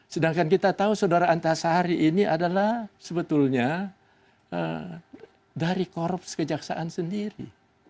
sedangkan kita tahu saudara antasari ini adalah sebetulnya dari korupsi kejaksaan sendiri